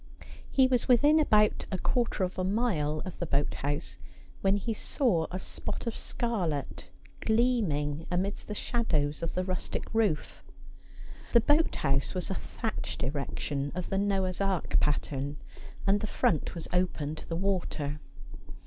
He was within about a quarter of a mile of the boat house when he saw a spot of scarlet gleaming amidst the shadows of the rustic roof. The boat house was a thatched erection of the Noah's Ark pattern, and the front was open to the water.